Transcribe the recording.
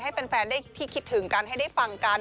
ให้แฟนได้ที่คิดถึงกันให้ได้ฟังกัน